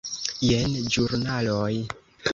Jen ĵurnaloj.